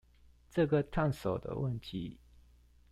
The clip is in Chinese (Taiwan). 這個燙手的問題